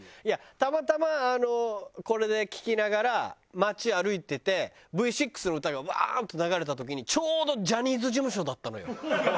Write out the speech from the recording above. たまたまこれで聴きながら街歩いててＶ６の歌がウワーッと流れた時にちょうどジャニーズ事務所だったのよ。